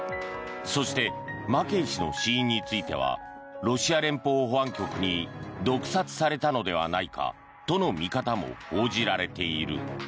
そしてマケイ氏の死因についてはロシア連邦保安局に毒殺されたのではないかとの見方も報じられている。